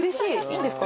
いいんですか？